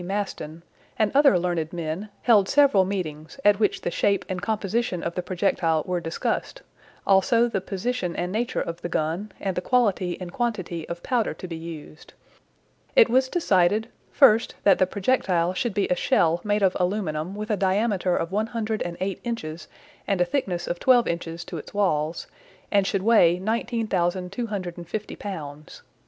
Maston, and other learned men, held several meetings, at which the shape and composition of the projectile were discussed, also the position and nature of the gun, and the quality and quantity of powder to be used. It was decided: First, that the projectile should be a shell made of aluminum with a diameter of 108 inches and a thickness of twelve inches to its walls; and should weigh 19,250 pounds.